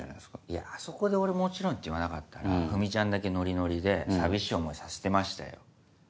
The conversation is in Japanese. いやあそこで俺「もちろん」って言わなかったらふみちゃんだけノリノリで寂しい思いさせてましたよ。